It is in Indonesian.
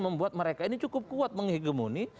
membuat mereka ini cukup kuat menghigemuni